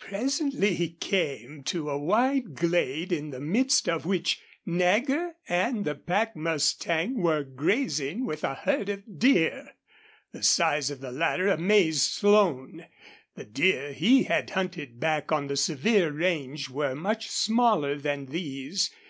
Presently he came to a wide glade in the midst of which Nagger and the pack mustang were grazing with a herd of deer. The size of the latter amazed Slone. The deer he had hunted back on the Sevier range were much smaller than these.